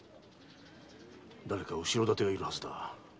誰か後ろ盾がいるはずだ。